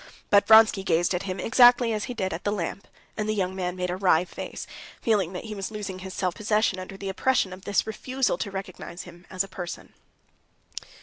But Vronsky gazed at him exactly as he did at the lamp, and the young man made a wry face, feeling that he was losing his self possession under the oppression of this refusal to recognize him as a person.